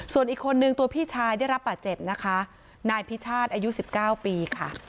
ส่วนอีกคนนึงตัวพี่ชายได้รับบาดเจ็บนะคะนายพิชาติอายุ๑๙ปีค่ะ